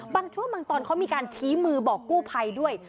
บางช่วงบางตอนเขามีการชี้มือบอกกู้ภัยด้วย